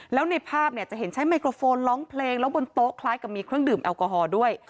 แล้วในภาพเนี่ยจะเห็นใช้ไมโครโฟนร้องเพลงแล้วบนโต๊ะคล้ายกับมีเครื่องดื่มแอลกอฮอล์ด้วย